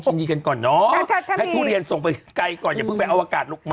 จีนที่ไปนู้นไปถึงอวกาศ